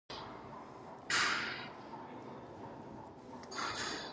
It lies at the border between Nepal and China.